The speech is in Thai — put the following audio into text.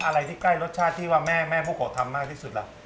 อะไรที่ใกล้รสชาติที่ว่าแม่โมโกะทำมากที่สุดล่ะ